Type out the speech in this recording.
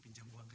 ini dia uangnya